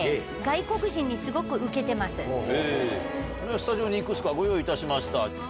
スタジオにいくつかご用意いたしました。